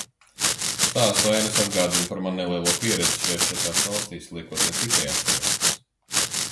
Stāstu ainas atgādina par manu nelielo pieredzi šajās četrās valstīs, liekot ne tikai atcerēties.